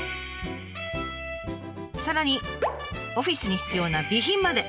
さらにオフィスに必要な備品まで。